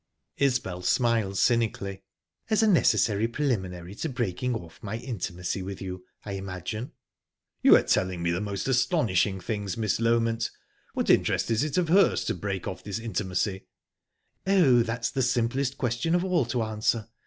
Isbel smiled cynically. "As a necessary preliminary to breaking off my intimacy with you, I imagine." "You are telling me most astonishing things, Miss Loment. What interest is it of hers to break off this intimacy?" "Oh, that's the simplest question of all to answer.